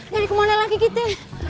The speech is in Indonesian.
dari kemana lagi kita